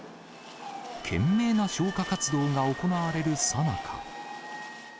懸命な消火活動が行われるさなか。